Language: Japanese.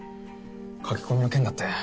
書き込みの件だって。